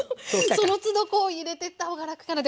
そのつど入れてった方が楽かなって。